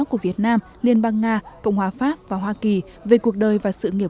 của việt nam liên bang nga cộng hòa pháp và hoa kỳ về cuộc đời và sự nghiệp